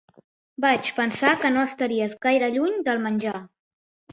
Vaig pensar que no estaries gaire lluny del menjar.